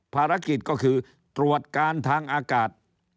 ภารกิจก็คือตรวจการทางอากาศ